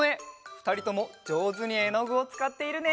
ふたりともじょうずにえのぐをつかっているね。